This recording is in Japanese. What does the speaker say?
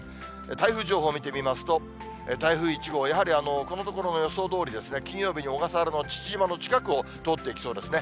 台風情報見てみますと、台風１号、やはりこのところの予想どおり、金曜日に小笠原の父島の近くを通っていきそうですね。